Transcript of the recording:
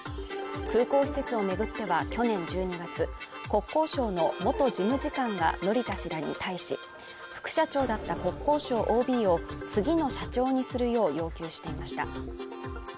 空港施設を巡っては去年１２月、国交省の元事務次官が、乗田氏らに対し、副社長だった国交省ＯＢを次の社長にするよう要求していました。